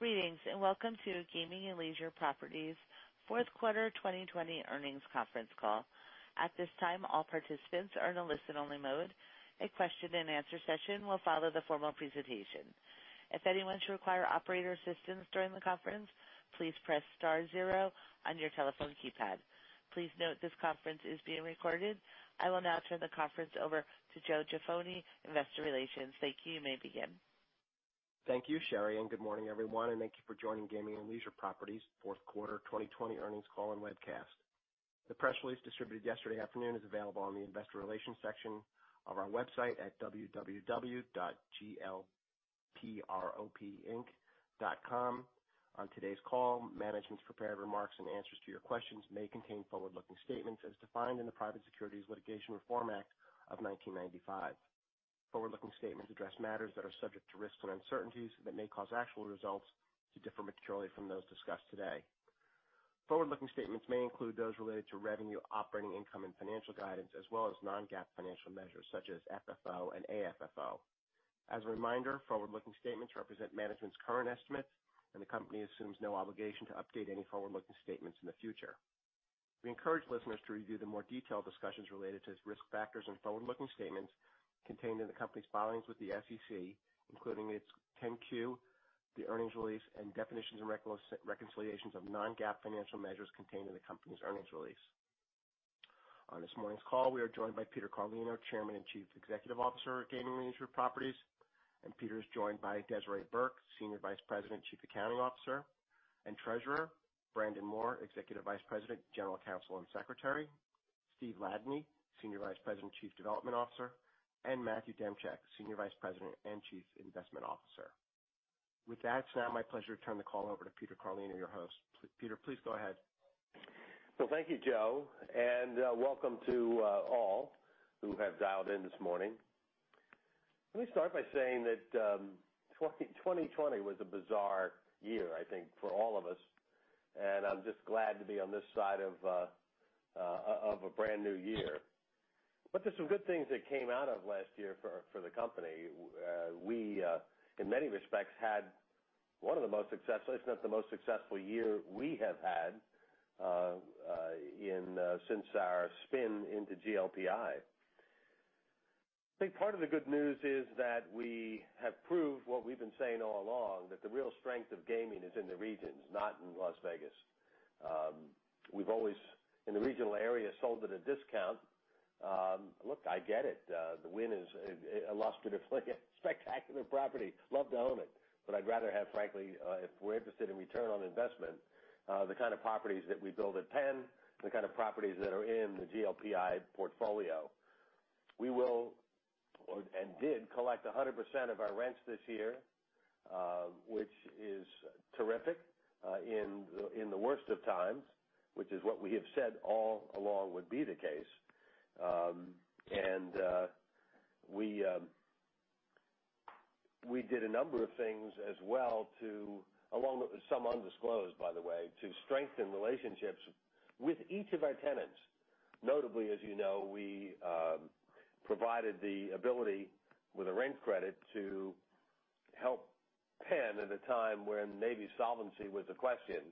Greetings, welcome to Gaming and Leisure Properties' fourth quarter 2020 earnings conference call. At this time, all participants are in a listen-only mode. A question-and-answer session will follow the formal presentation. If anyone should require operator assistance during the conference, please press star zero on your telephone keypad. Please note this conference is being recorded. I will now turn the conference over to Joe Jaffoni, investor relations. Thank you. You may begin. Thank you, Sherry, and good morning, everyone, and thank you for joining Gaming and Leisure Properties' fourth quarter 2020 earnings call and webcast. The press release distributed yesterday afternoon is available on the investor relations section of our website at www.glpropinc.com. On today's call, management's prepared remarks and answers to your questions may contain forward-looking statements as defined in the Private Securities Litigation Reform Act of 1995. Forward-looking statements address matters that are subject to risks and uncertainties that may cause actual results to differ materially from those discussed today. Forward-looking statements may include those related to revenue, operating income, and financial guidance, as well as non-GAAP financial measures such as FFO and AFFO. As a reminder, forward-looking statements represent management's current estimates, and the company assumes no obligation to update any forward-looking statements in the future. We encourage listeners to review the more detailed discussions related to risk factors and forward-looking statements contained in the company's filings with the SEC, including its 10-Q, the earnings release, and definitions and reconciliations of non-GAAP financial measures contained in the company's earnings release. On this morning's call, we are joined by Peter Carlino, Chairman and Chief Executive Officer of Gaming and Leisure Properties, and Peter is joined by Desiree Burke, Senior Vice President, Chief Accounting Officer, and Treasurer, Brandon Moore, Executive Vice President, General Counsel, and Secretary, Steven Ladany, Senior Vice President, Chief Development Officer, and Matthew Demchyk, Senior Vice President and Chief Investment Officer. With that, it's now my pleasure to turn the call over to Peter Carlino, your host. Peter, please go ahead. Thank you, Joe, and welcome to all who have dialed in this morning. Let me start by saying that 2020 was a bizarre year, I think, for all of us, and I'm just glad to be on this side of a brand-new year. There are some good things that came out of last year for the company. We, in many respects, had one of the most successful, if not the most successful year we have had since our spin into GLPI. I think part of the good news is that we have proved what we've been saying all along, that the real strength of gaming is in the regions, not in Las Vegas. We've always, in the regional area, sold at a discount. Look, I get it. The Wynn is a lustrous, spectacular property. Love to own it, but I'd rather have, frankly, if we're interested in return on investment, the kind of properties that we build at Penn, the kind of properties that are in the GLPI portfolio. We will, and did, collect 100% of our rents this year, which is terrific in the worst of times, which is what we have said all along would be the case. We did a number of things as well to, along with some undisclosed, by the way, to strengthen relationships with each of our tenants. Notably, as you know, we provided the ability with a rent credit to help Penn at a time when maybe solvency was a question.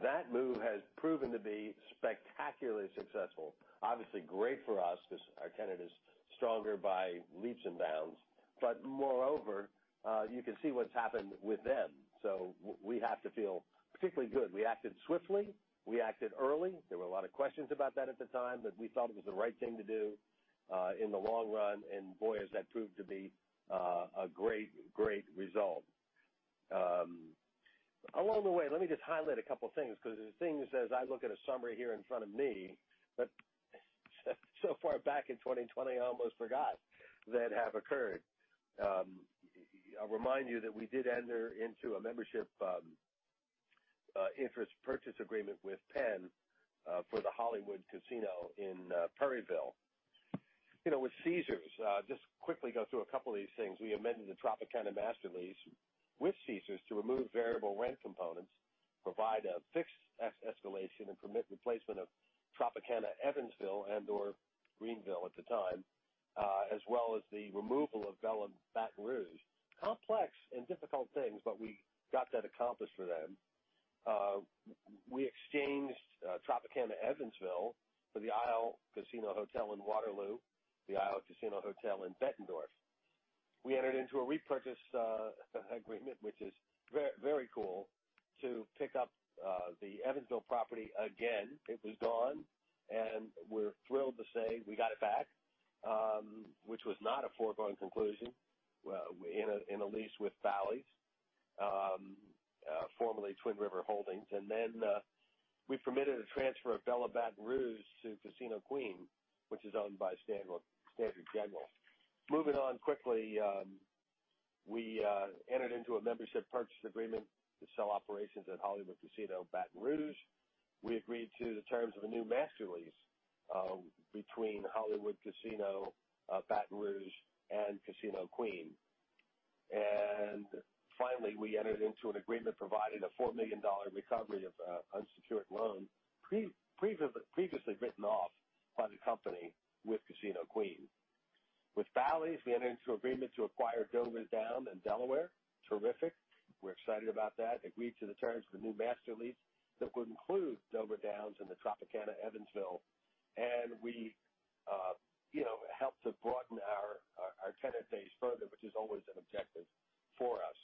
That move has proven to be spectacularly successful. Obviously great for us because our tenant is stronger by leaps and bounds. Moreover, you can see what's happened with them. We have to feel particularly good. We acted swiftly. We acted early. There were a lot of questions about that at the time, but we thought it was the right thing to do in the long run. Boy, has that proved to be a great result. Along the way, let me just highlight a couple of things because the things as I look at a summary here in front of me, that so far back in 2020 I almost forgot that have occurred. I'll remind you that we did enter into a membership interest purchase agreement with Penn for the Hollywood Casino in Perryville. With Caesars, just quickly go through a couple of these things. We amended the Tropicana master lease with Caesars to remove variable rent components, provide a fixed escalation, and permit replacement of Tropicana Evansville and/or Greenville at the time, as well as the removal of Belle of Baton Rouge. Complex and difficult things, we got that accomplished for them. We exchanged Tropicana Evansville for the Isle Casino Hotel Waterloo, the Isle Casino Hotel Bettendorf. We entered into a repurchase agreement, which is very cool, to pick up the Evansville property again. It was gone, we're thrilled to say we got it back, which was not a foregone conclusion in a lease with Bally's, formerly Twin River Worldwide Holdings. We permitted a transfer of Belle of Baton Rouge to Casino Queen, which is owned by Standard General. Moving on quickly, we entered into a membership purchase agreement to sell operations at Hollywood Casino Baton Rouge. We agreed to the terms of a new master lease between Hollywood Casino Baton Rouge and Casino Queen. Finally, we entered into an agreement providing a $4 million recovery of an unsecured loan previously written off by the company with Casino Queen. With Bally's, we entered into agreement to acquire Dover Downs in Delaware. Terrific. We're excited about that. Agreed to the terms for the new master lease that will include Dover Downs and the Tropicana Evansville, and will help to broaden our tenant base further, which is always an objective for us.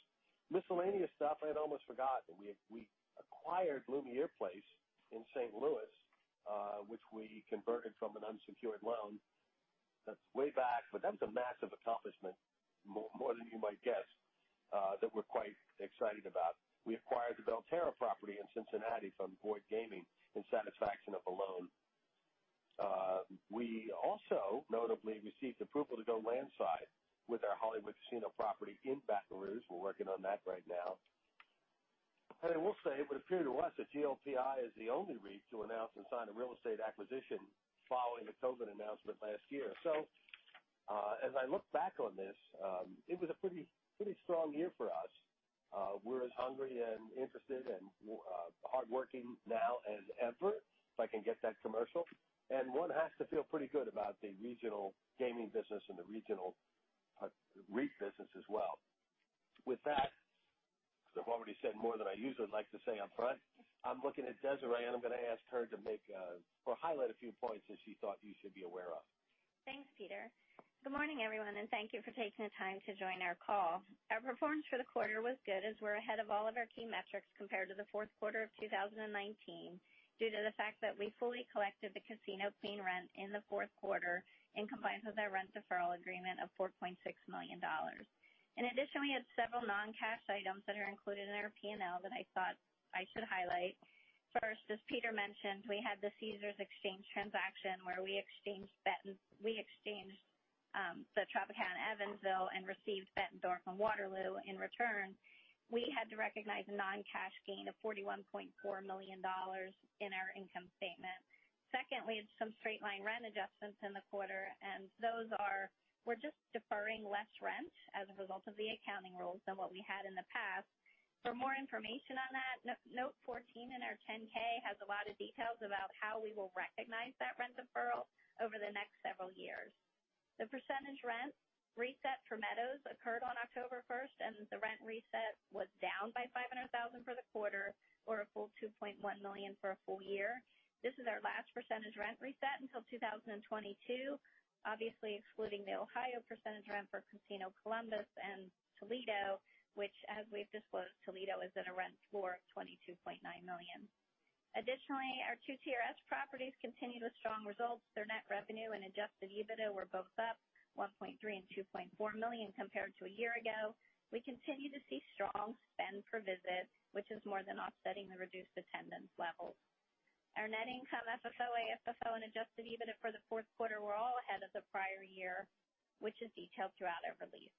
Miscellaneous stuff, I had almost forgotten. We acquired Lumiere Place in St. Louis, which we converted from an unsecured loan. That's way back, that was a massive accomplishment, more than you might guess, that we're quite excited about. We acquired the Belterra property in Cincinnati from Boyd Gaming in satisfaction of a loan. We also notably received approval to go landside with our Hollywood Casino property in Baton Rouge. We're working on that right now. I will say, it would appear to us that GLPI is the only REIT to announce and sign a real estate acquisition following a COVID announcement last year. As I look back on this, it was a pretty strong year for us. We're as hungry and interested and hardworking now as ever, if I can get that commercial. One has to feel pretty good about the regional gaming business and the regional REIT business as well. With that, because I've already said more than I usually like to say up front, I'm looking at Desiree, and I'm going to ask her to highlight a few points that she thought you should be aware of. Thanks, Peter. Good morning, everyone, thank you for taking the time to join our call. Our performance for the quarter was good, as we're ahead of all of our key metrics compared to the fourth quarter of 2019 due to the fact that we fully collected the Casino Queen rent in the fourth quarter in compliance with our rent deferral agreement of $4.6 million. We had several non-cash items that are included in our P&L that I thought I should highlight. As Peter mentioned, we had the Caesars exchange transaction where we exchanged the Tropicana Evansville and received Bettendorf from Waterloo in return. We had to recognize a non-cash gain of $41.4 million in our income statement. Second, we had some straight-line rent adjustments in the quarter, and those are, we're just deferring less rent as a result of the accounting rules than what we had in the past. For more information on that, note 14 in our 10K has a lot of details about how we will recognize that rent deferral over the next several years. The percentage rent reset for Meadows occurred on October 1st, and the rent reset was down by $500,000 for the quarter, or a full $2.1 million for a full- year. This is our last percentage rent reset until 2022, obviously excluding the Ohio percentage rent for Casino Columbus and Toledo, which, as we've disclosed, Toledo is at a rent floor of $22.9 million. Additionally, our two TRS properties continue with strong results. Their net revenue and adjusted EBITDA were both up $1.3 million and $2.4 million compared to a year ago. We continue to see strong spend per visit, which is more than offsetting the reduced attendance levels. Our net income, FFO, AFFO, and adjusted EBITDA for the fourth quarter were all ahead of the prior year, which is detailed throughout our release.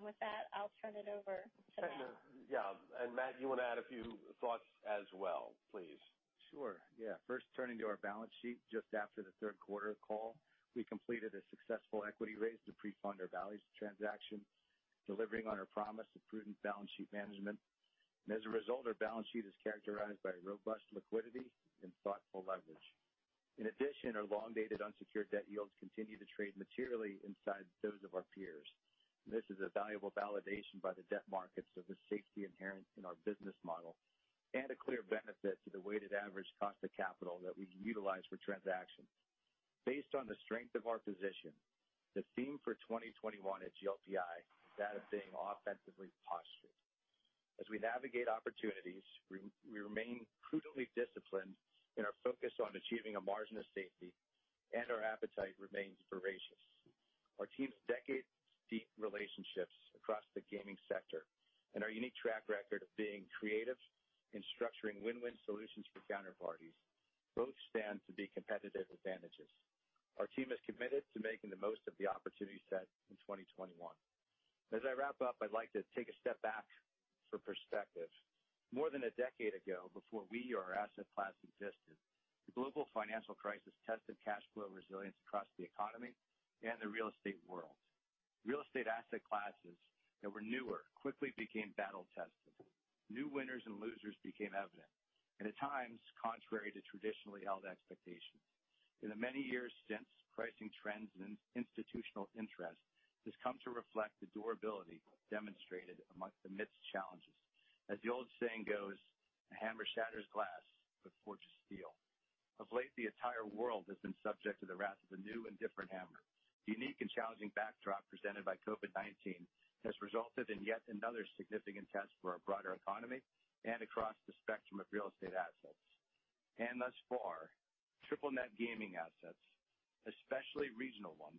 With that, I'll turn it over to Matt. Yeah. Matt, you want to add a few thoughts as well, please? Sure, yeah. First, turning to our balance sheet. Just after the third quarter call, we completed a successful equity raise to pre-fund our Bally's transaction, delivering on our promise of prudent balance sheet management. As a result, our balance sheet is characterized by robust liquidity and thoughtful leverage. In addition, our long-dated unsecured debt yields continue to trade materially inside those of our peers. This is a valuable validation by the debt markets of the safety inherent in our business model and a clear benefit to the weighted average cost of capital that we utilize for transactions. Based on the strength of our position, the theme for 2021 at GLPI is that of being offensively postured. As we navigate opportunities, we remain prudently disciplined in our focus on achieving a margin of safety, and our appetite remains voracious. Our team's decades-deep relationships across the gaming sector and our unique track record of being creative in structuring win-win solutions for counterparties both stand to be competitive advantages. Our team is committed to making the most of the opportunity set in 2021. As I wrap up, I'd like to take a step back for perspective. More than a decade ago, before we or our asset class existed, the global financial crisis tested cash flow resilience across the economy and the real estate world. Real estate asset classes that were newer quickly became battle-tested. New winners and losers became evident, and at times, contrary to traditionally held expectations. In the many years since, pricing trends and institutional interest has come to reflect the durability demonstrated amidst challenges. As the old saying goes, a hammer shatters glass, but forges steel. Of late, the entire world has been subject to the wrath of a new and different hammer. The unique and challenging backdrop presented by COVID-19 has resulted in yet another significant test for our broader economy and across the spectrum of real estate assets. Thus far, triple net gaming assets, especially regional ones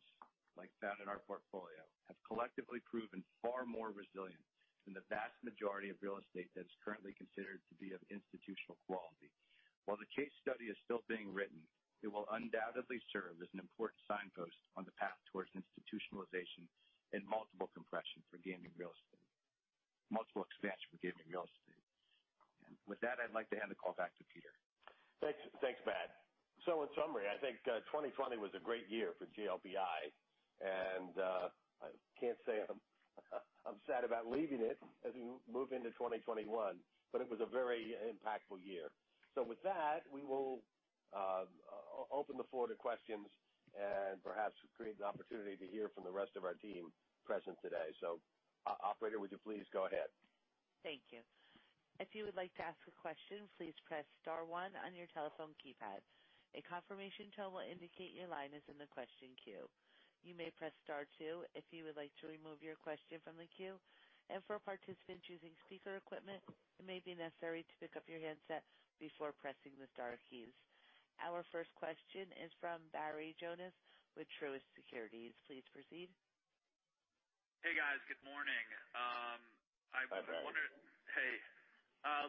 like found in our portfolio, have collectively proven far more resilient than the vast majority of real estate that's currently considered to be of institutional quality. While the case study is still being written, it will undoubtedly serve as an important signpost on the path towards institutionalization and multiple expansion for gaming real estate. With that, I'd like to hand the call back to Peter. Thanks, Matt. In summary, I think 2020 was a great year for GLPI, and I can't say I'm sad about leaving it as we move into 2021, but it was a very impactful year. With that, we will open the floor to questions and perhaps create the opportunity to hear from the rest of our team present today. Operator, would you please go ahead? Our first question is from Barry Jonas with Truist Securities. Please proceed. Hey, guys. Good morning. Hi, Barry. Hey.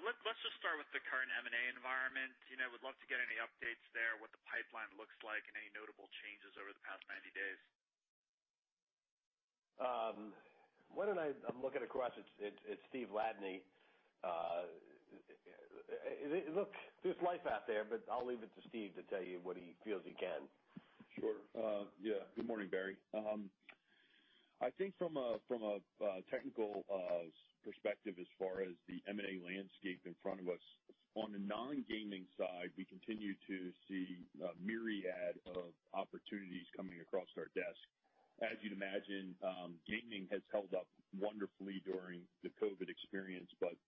Let's just start with the current M&A environment. Would love to get any updates there, what the pipeline looks like, and any notable changes over the past 90 days. I'm looking across at Steven Ladany. Look, there's life out there, but I'll leave it to Steve to tell you what he feels he can. Sure. Yeah. Good morning, Barry. I think from a technical perspective as far as the M&A landscape in front of us, on the non-gaming side, we continue to see a myriad of opportunities coming across our desk. As you'd imagine, gaming has held up wonderfully during the COVID experience, but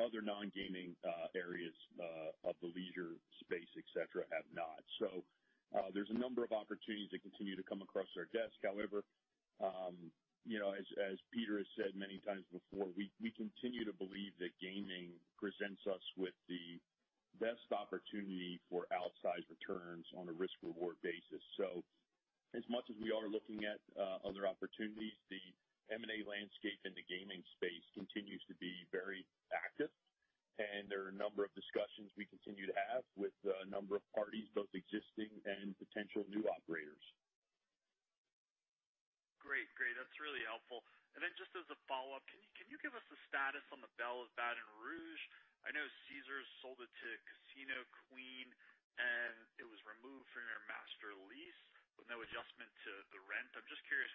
other non-gaming areas of the leisure space, et cetera, have not. There's a number of opportunities that continue to come across our desk. As Peter has said many times before, we continue to believe that gaming presents us with the best opportunity for outsized returns on a risk/reward basis. As much as we are looking at other opportunities, the M&A landscape in the gaming space continues to be very active, and there are a number of discussions we continue to have with a number of parties, both existing and potential new operators. Great. That's really helpful. Just as a follow-up, can you give us a status on the Belle of Baton Rouge? I know Caesars sold it to Casino Queen, and it was removed from their master lease with no adjustment to the rent. I'm just curious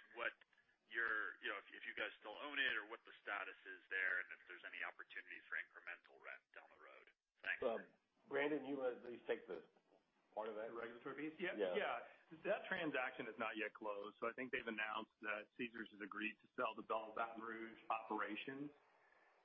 if you guys still own it or what the status is there, and if there's any opportunity for incremental rent down the road. Thanks. Brandon, you want to at least take the part of it? The regulatory piece? Yeah. Yeah. That transaction has not yet closed. I think they've announced that Caesars has agreed to sell the Belle of Baton Rouge operation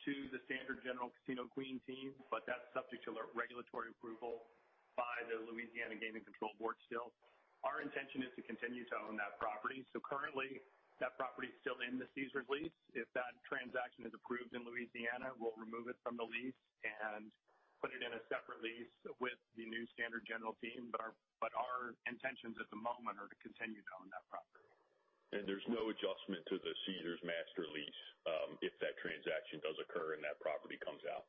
to the Standard General Casino Queen team, but that's subject to regulatory approval by the Louisiana Gaming Control Board still. Our intention is to continue to own that property. Currently, that property is still in the Caesars lease. If that transaction is approved in Louisiana, we'll remove it from the lease and put it in a separate lease with the new Standard General team. Our intentions at the moment are to continue to own that property. There's no adjustment to the Caesars master lease if that transaction does occur and that property comes out.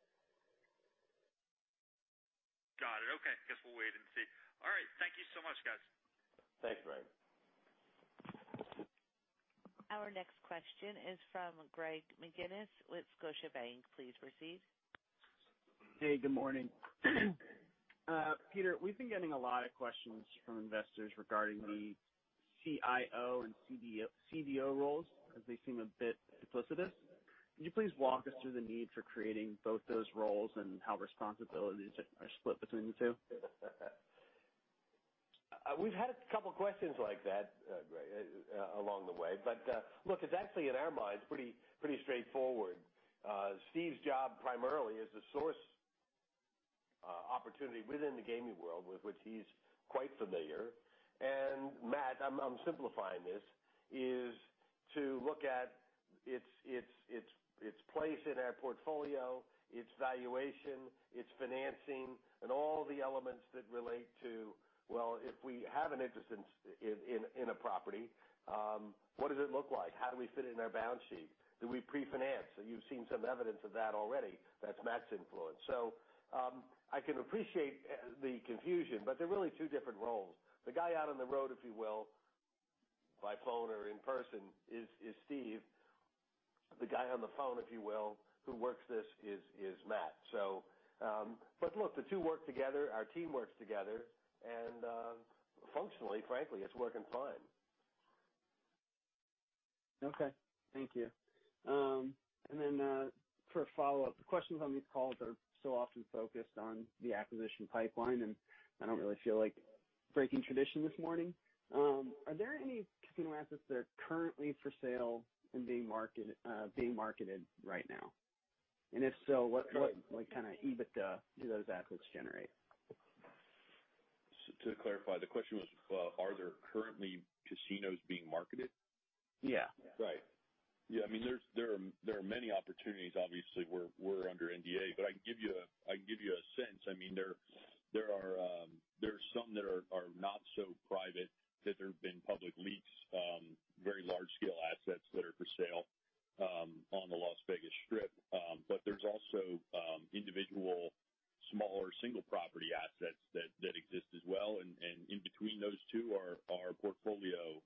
Got it. Okay. Guess we'll wait and see. All right. Thank you so much, guys. Thanks, Barry. Our next question is from Greg McGinniss with Scotiabank. Please proceed. Hey, good morning. Peter, we've been getting a lot of questions from investors regarding the CIO and CDO roles as they seem a bit duplicitous. Could you please walk us through the need for creating both those roles and how responsibilities are split between the two? We've had a couple of questions like that, Greg, along the way. Look, it's actually, in our minds, pretty straightforward. Steve's job primarily is to source opportunity within the gaming world with which he's quite familiar. Matt, I'm simplifying this, is to look at its place in our portfolio, its valuation, its financing, and all the elements that relate to, well, if we have an interest in a property, what does it look like? How do we fit it in our balance sheet? Do we pre-finance? You've seen some evidence of that already. That's Matt's influence. I can appreciate the confusion, but they're really two different roles. The guy out on the road, if you will, by phone or in person, is Steve. The guy on the phone, if you will, who works this is Matt. Look, the two work together, our team works together, and functionally, frankly, it's working fine. Okay. Thank you. Then for a follow-up, the questions on these calls are so often focused on the acquisition pipeline, and I don't really feel like breaking tradition this morning. Are there any casino assets that are currently for sale and being marketed right now? If so, what kind of EBITDA do those assets generate? To clarify, the question was, are there currently casinos being marketed? Yeah. Right. Yeah, there are many opportunities, obviously, we're under NDA. I can give you a sense. There are some that are not so private that there have been public leaks, very large-scale assets that are for sale on the Las Vegas Strip. There's also individual, smaller single property assets that exist as well. In between those two are portfolio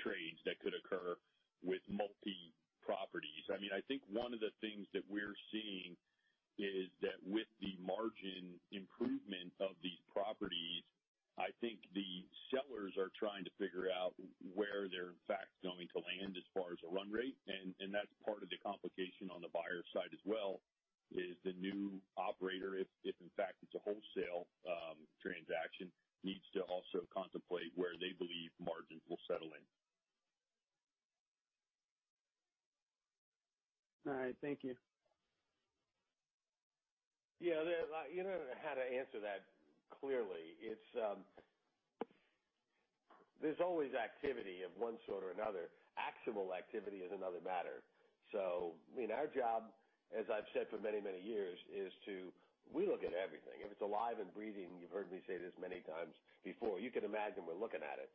trades that could occur with multi properties. I think one of the things that we're seeing is that with the margin improvement of these properties. I think the sellers are trying to figure out where they're in fact going to land as far as a run rate. That's part of the complication on the buyer side as well, is the new operator, if in fact it's a wholesale transaction, needs to also contemplate where they believe margins will settle in. All right. Thank you. Yeah. You know how to answer that clearly. There's always activity of one sort or another. Actionable activity is another matter. Our job, as I've said for many years, is we look at everything. If it's alive and breathing, you've heard me say this many times before, you can imagine we're looking at it.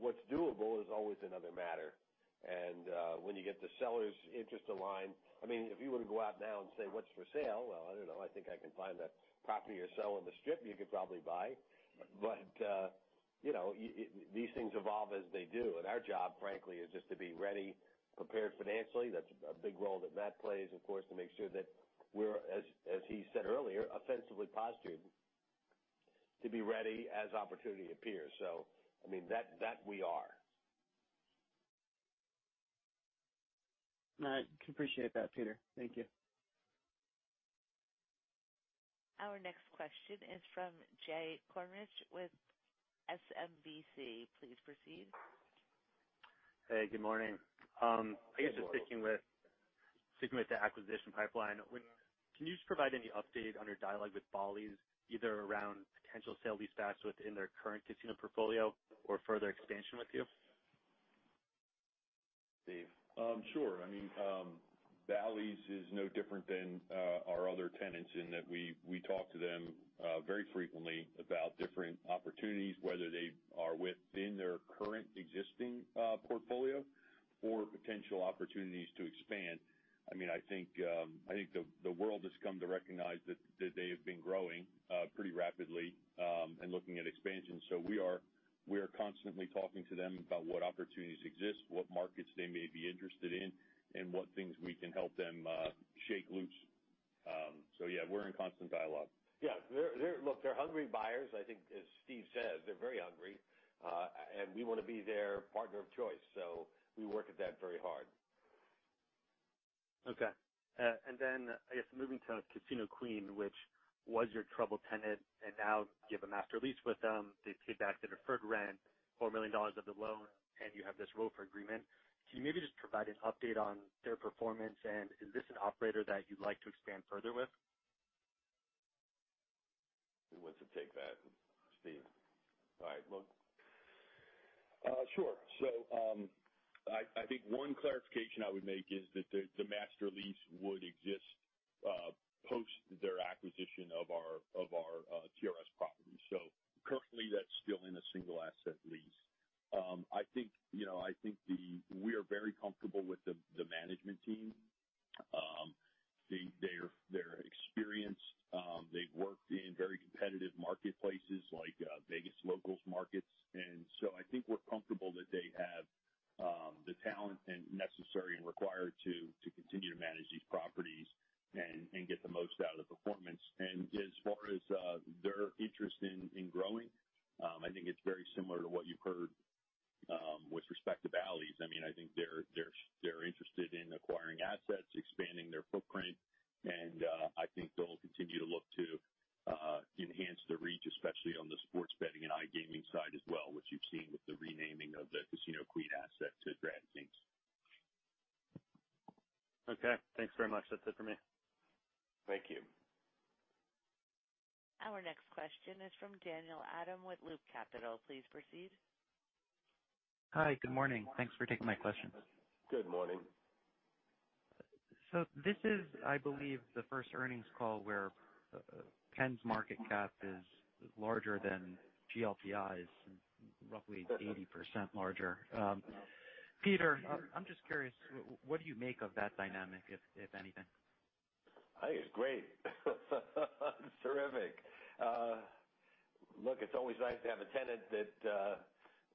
What's doable is always another matter. When you get the seller's interest aligned, if you were to go out now and say, "What's for sale?" Well, I don't know. I think I can find a property or so on the Strip you could probably buy. These things evolve as they do. Our job, frankly, is just to be ready, prepared financially. That's a big role that Matthew plays, of course, to make sure that we're, as he said earlier, offensively positive, to be ready as opportunity appears. That we are. All right. Appreciate that, Peter. Thank you. Our next question is from Jay Kornreich with SMBC. Please proceed. Hey, good morning. Good morning. I guess just sticking with the acquisition pipeline, can you just provide any update on your dialogue with Bally's, either around potential sale-leasebacks within their current casino portfolio or further expansion with you? Steve. Sure. Bally's is no different than our other tenants in that we talk to them very frequently about different opportunities, whether they are within their current existing portfolio or potential opportunities to expand. I think the world has come to recognize that they have been growing pretty rapidly, and looking at expansion. We are constantly talking to them about what opportunities exist, what markets they may be interested in, and what things we can help them shake loose. Yeah, we're in constant dialogue. Yeah. Look, they're hungry buyers. I think as Steve says, they're very hungry. We want to be their partner of choice. We work at that very hard. Okay. I guess moving to Casino Queen, which was your trouble tenant, and now you have a master lease with them. They've paid back the deferred rent, $4 million of the loan, and you have this ROFR agreement. Can you maybe just provide an update on their performance? Is this an operator that you'd like to expand further with? Who wants to take that? Steve. All right. Sure. I think one clarification I would make is that the master lease would exist post their acquisition of our TRS property. Currently, that's still in a single asset lease. I think we are very comfortable with the management team, their experience. They've worked in very competitive marketplaces like Vegas locals markets. I think we're comfortable that they have the talent necessary and required to continue to manage these properties and get the most out of the performance. As far as their interest in growing, I think it's very similar to what you've heard, with respect to Bally's. I think they're interested in acquiring assets, expanding their footprint, and I think they'll continue to look to enhance their reach, especially on the sports betting and iGaming side as well, which you've seen with the renaming of the Casino Queen asset to DraftKings. Okay. Thanks very much. That's it for me. Thank you. Our next question is from Daniel Adam with Loop Capital. Please proceed. Hi. Good morning. Thanks for taking my question. Good morning. This is, I believe, the first earnings call where Penn's market cap is larger than GLPI's, roughly 80% larger. Peter, I'm just curious, what do you make of that dynamic, if anything? I think it's great. Terrific. Look, it's always nice to have a tenant that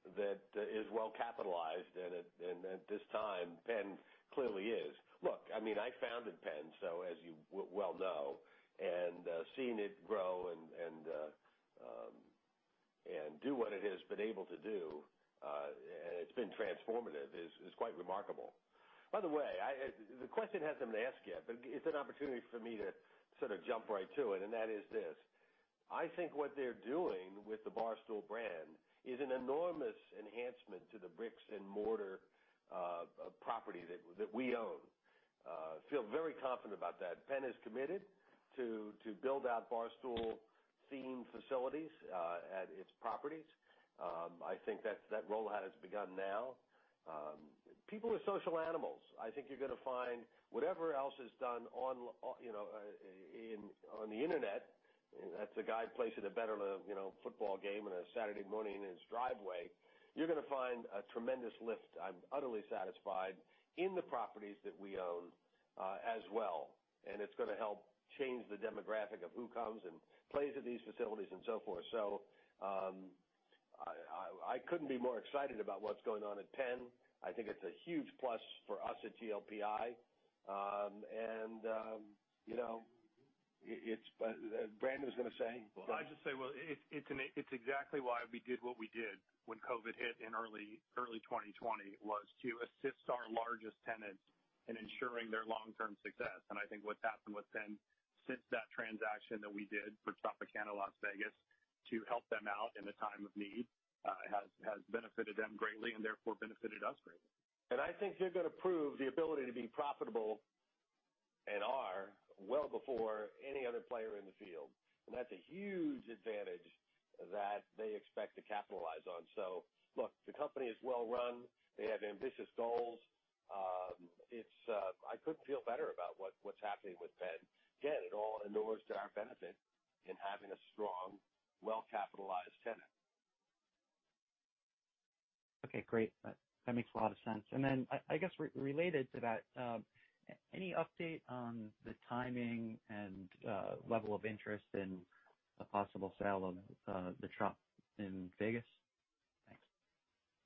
is well-capitalized and at this time, Penn clearly is. Look, I founded Penn, as you well know, and seeing it grow and do what it has been able to do, and it's been transformative, is quite remarkable. By the way, the question hasn't been asked yet, it's an opportunity for me to sort of jump right to it, and that is this. I think what they're doing with the Barstool brand is an enormous enhancement to the bricks and mortar property that we own. Feel very confident about that. Penn is committed to build out Barstool themed facilities at its properties. I think that rollout has begun now. People are social animals. I think you're going to find whatever else is done on the internet, that's a guy placing a bet on a football game on a Saturday morning in his driveway, you're going to find a tremendous lift. I'm utterly satisfied in the properties that we own as well. It's going to help change the demographic of who comes and plays at these facilities and so forth. I couldn't be more excited about what's going on at Penn. I think it's a huge plus for us at GLPI. Brandon was going to say? I'd just say, well, it's exactly why we did what we did when COVID hit in early 2020, was to assist our largest tenants in ensuring their long-term success. I think what's happened with Penn since that transaction that we did for Tropicana Las Vegas to help them out in a time of need, has benefited them greatly and therefore benefited us greatly. I think they're going to prove the ability to be profitable, and are, well before any other player in the field. That's a huge advantage that they expect to capitalize on. Look, the company is well run. They have ambitious goals. I couldn't feel better about what's happening with Penn. Again, it all inures to our benefit in having a strong, well-capitalized tenant. Okay, great. That makes a lot of sense. I guess related to that, any update on the timing and level of interest in a possible sale of the Tropicana in Vegas? Thanks.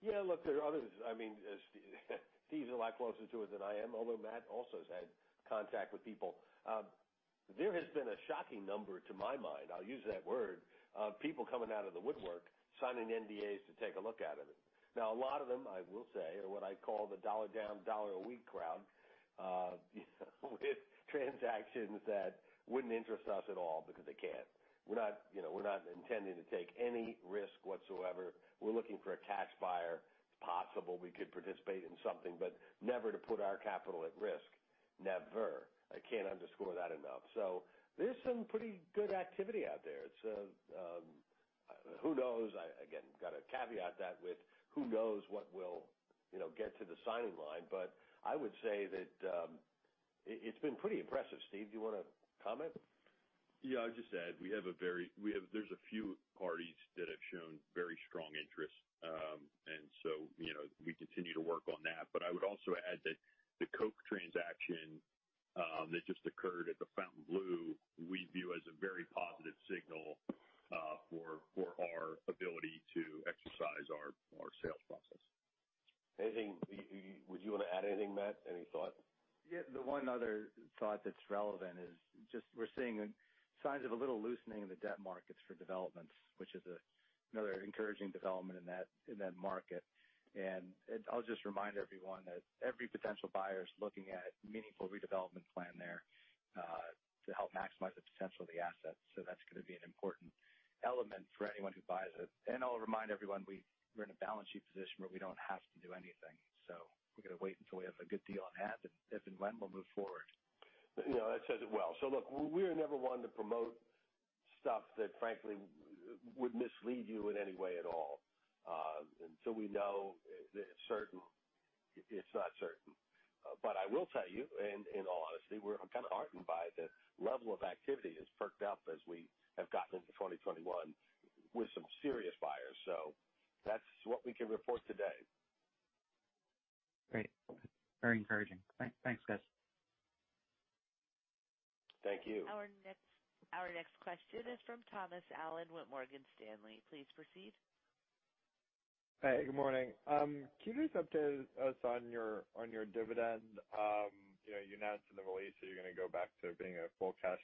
Yeah, look, there are others. Steve's a lot closer to it than I am, although Matt also has had contact with people. There has been a shocking number, to my mind, I'll use that word, of people coming out of the woodwork signing NDAs to take a look at it. A lot of them, I will say, are what I call the dollar down, dollar a week crowd with transactions that wouldn't interest us at all because they can't. We're not intending to take any risk whatsoever. We're looking for a cash buyer. It's possible we could participate in something, never to put our capital at risk. Never. I can't underscore that enough. There's some pretty good activity out there. Who knows? Again, got to caveat that with who knows what will get to the signing line. I would say that it's been pretty impressive. Steve, do you want to comment? I'd just add, there's a few parties that have shown very strong interest. We continue to work on that. I would also add that the Koch transaction that just occurred at the Fontainebleau we view as a very positive signal for our ability to exercise our sales process. Would you want to add anything, Matt? Any thought? The one other thought that's relevant is just we're seeing signs of a little loosening in the debt markets for developments, which is another encouraging development in that market. I'll just remind everyone that every potential buyer is looking at a meaningful redevelopment plan there to help maximize the potential of the asset. That's going to be an important element for anyone who buys it. I'll remind everyone, we're in a balance sheet position where we don't have to do anything. We're going to wait until we have a good deal on hand if and when we'll move forward. Look, we're never one to promote stuff that frankly would mislead you in any way at all. Until we know for certain, it's not certain. I will tell you, and in all honesty, we're kind of heartened by the level of activity has perked up as we have gotten into 2021 with some serious buyers. That's what we can report today. Great. Very encouraging. Thanks, guys. Thank you. Our next question is from Thomas Allen with Morgan Stanley. Please proceed. Hey, good morning. Can you just update us on your dividend? You announced in the release that you're going to go back to being a full cash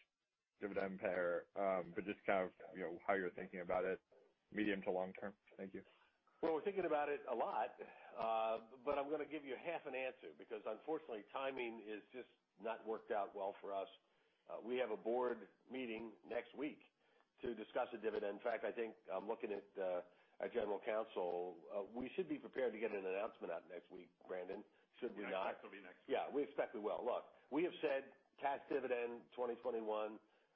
dividend payer, but just kind of how you're thinking about it medium to long- term. Thank you. Well, we're thinking about it a lot, I'm going to give you half an answer because unfortunately, timing has just not worked out well for us. We have a board meeting next week to discuss the dividend. In fact, I think I'm looking at our general counsel. We should be prepared to get an announcement out next week, Brandon, should we not? I expect there'll be next week. Yeah, we expect we will. Look, we have said cash dividend 2021,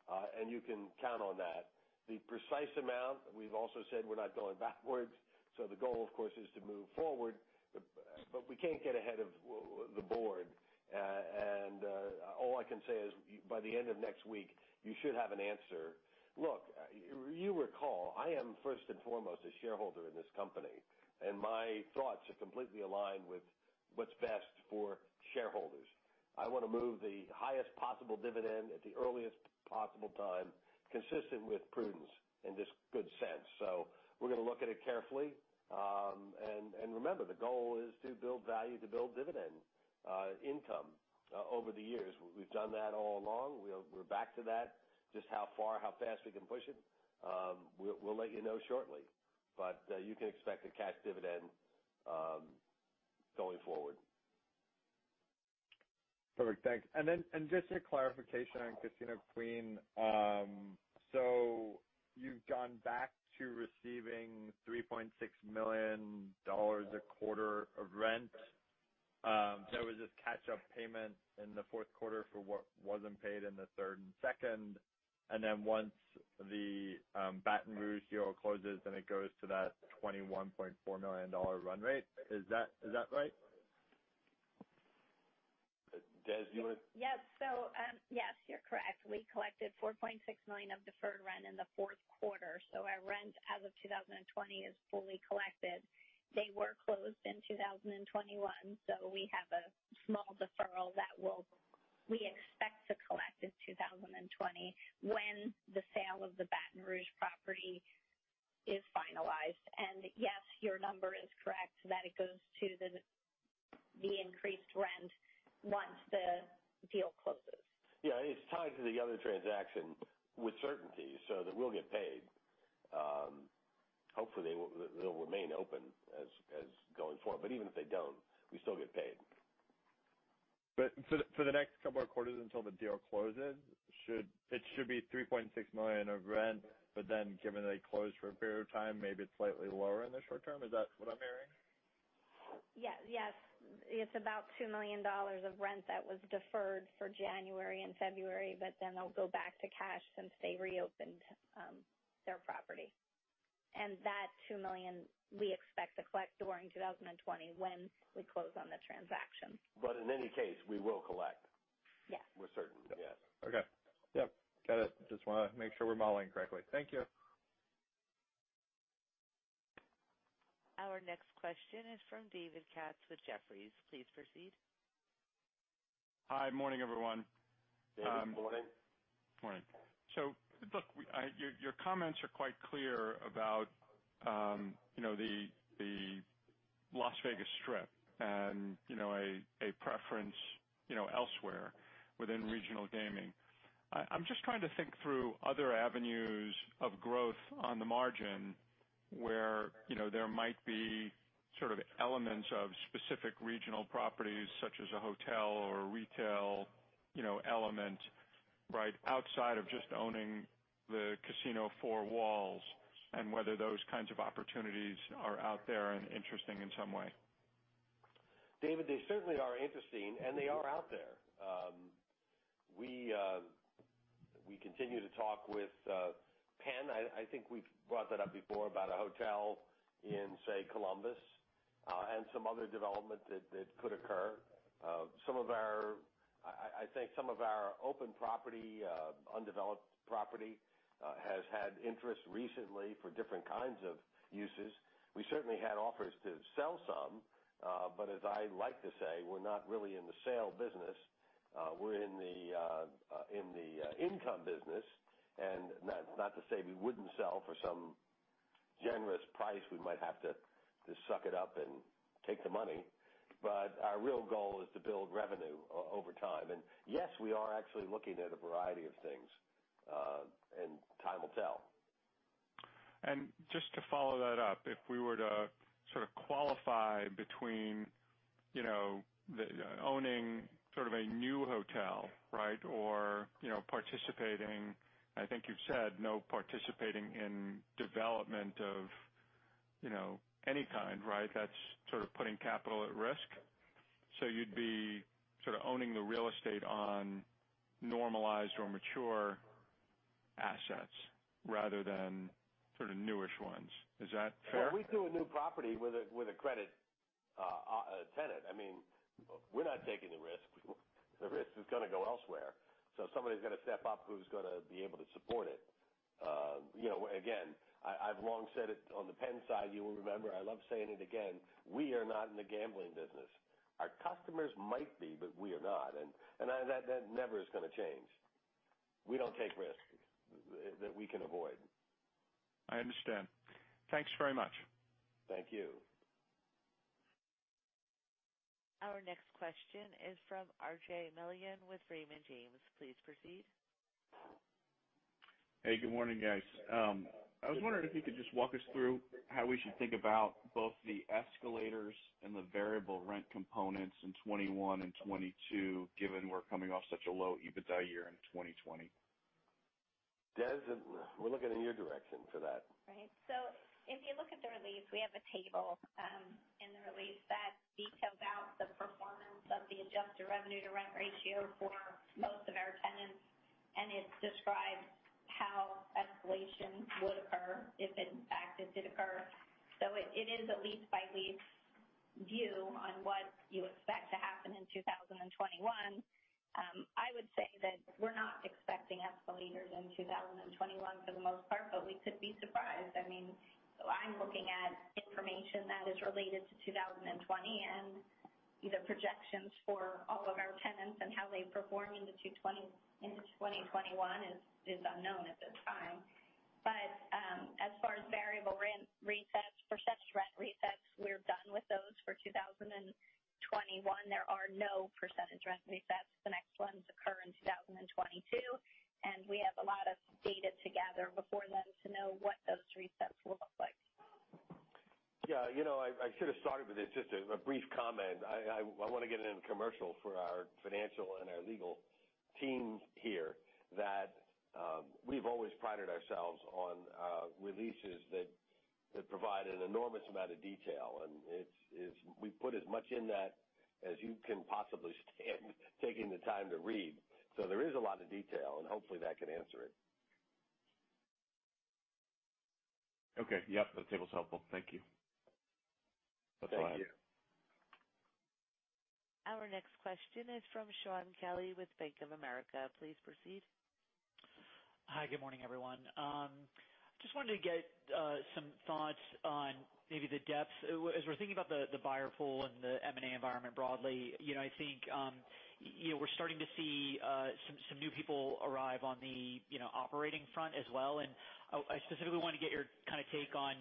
and you can count on that. The precise amount, we've also said we're not going backwards. The goal, of course, is to move forward, but we can't get ahead of the board. All I can say is by the end of next week, you should have an answer. Look, you recall, I am first and foremost a shareholder in this company, and my thoughts are completely aligned with what's best for shareholders. I want to move the highest possible dividend at the earliest possible time, consistent with prudence and just good sense. We're going to look at it carefully. Remember, the goal is to build value, to build dividend income over the years. We've done that all along. We're back to that. Just how far, how fast we can push it, we'll let you know shortly. You can expect a cash dividend going forward. Perfect. Thanks. Just a clarification on Casino Queen. You've gone back to receiving $3.6 million a quarter of rent. There was this catch-up payment in the fourth quarter for what wasn't paid in the third and second. Once the Hollywood Casino Baton Rouge closes, it goes to that $21.4 million run rate. Is that right? Des, do you want to? Yes, you're correct. We collected $4.6 million of deferred rent in the fourth quarter. Our rent as of 2020 is fully collected. They were closed in 2021, so we have a small deferral that we expect to collect in 2020 when the sale of the Baton Rouge property is finalized. Yes, your number is correct, that it goes to the increased rent once the deal closes. Yeah. It's tied to the other transaction with certainty so that we'll get paid. Hopefully, they'll remain open as going forward. Even if they don't, we still get paid. For the next couple of quarters until the deal closes, it should be $3.6 million of rent. Given that they closed for a period of time, maybe it's slightly lower in the short- term. Is that what I'm hearing? Yes. It's about $2 million of rent that was deferred for January and February, but then it'll go back to cash since they reopened their property. That $2 million we expect to collect during 2020 when we close on the transaction. In any case, we will collect. Yes. We're certain. Yes. Okay. Yep. Got it. Just want to make sure we're modeling correctly. Thank you. Our next question is from David Katz with Jefferies. Please proceed. Hi. Morning, everyone. David, morning. Morning. Look, your comments are quite clear about the Las Vegas Strip and a preference elsewhere within regional gaming. I'm just trying to think through other avenues of growth on the margin where there might be elements of specific regional properties, such as a hotel or retail element outside of just owning the casino four walls, and whether those kinds of opportunities are out there and interesting in some way. David, they certainly are interesting, and they are out there. We continue to talk with Penn. I think we've brought that up before about a hotel in, say, Columbus, and some other development that could occur. I think some of our open undeveloped property has had interest recently for different kinds of uses. We certainly had offers to sell some. As I like to say, we're not really in the sale business. We're in the income business. That's not to say we wouldn't sell for some generous price. We might have to just suck it up and take the money. Our real goal is to build revenue over time. Yes, we are actually looking at a variety of things, and time will tell. Just to follow that up, if we were to qualify between owning a new hotel or participating, I think you've said no participating in development of any kind, that's putting capital at risk. You'd be owning the real estate on normalized or mature assets rather than newer ones. Is that fair? We do a new property with a credit tenant. We're not taking the risk. The risk is going to go elsewhere. Somebody's got to step up who's going to be able to support it. Again, I've long said it on the Penn side, you will remember, I love saying it again, we are not in the gambling business. Our customers might be, but we are not. That never is going to change. We don't take risks that we can avoid. I understand. Thanks very much. Thank you. Our next question is from RJ Milligan with Raymond James. Please proceed. Hey, good morning, guys. I was wondering if you could just walk us through how we should think about both the escalators and the variable rent components in 2021 and 2022, given we're coming off such a low EBITDA year in 2020. Des, we're looking in your direction for that. Right. If you look at the release, we have a table in the release that details out the performance of the adjusted revenue to rent ratio for most of our tenants, and it describes how escalation would occur if in fact it did occur. It is a lease by lease view on what you expect to happen in 2021. I would say that we're not expecting escalators in 2021 for the most part, but we could be surprised. I'm looking at information that is related to 2020 and the projections for all of our tenants and how they perform into 2021 is unknown at this time. As far as variable rent resets, percentage rent resets, we're done with those for 2021. There are no percentage rent resets. The next ones occur in 2022, and we have a lot of data to gather before then to know what those resets will look like. I should have started with this, just a brief comment. I want to get in a commercial for our financial and our legal teams here that we've always prided ourselves on releases that provide an enormous amount of detail, and we put as much in that as you can possibly stand taking the time to read. There is a lot of detail, and hopefully, that can answer it. Okay. Yep. The table's helpful. Thank you. Thank you. Our next question is from Shaun Kelley with Bank of America. Please proceed. Hi, good morning, everyone. Just wanted to get some thoughts on maybe the depth. As we're thinking about the buyer pool and the M&A environment broadly, I think we're starting to see some new people arrive on the operating front as well. I specifically want to get your take on